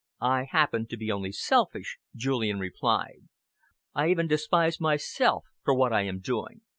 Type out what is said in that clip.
"I happen to be only selfish," Julian replied. "I even despise myself for what I am doing.